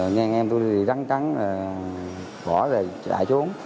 nghe em tôi đi rắn cắn bỏ rồi chạy xuống